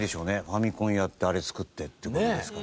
ファミコンやってあれ作ってって事ですから。